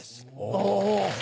お！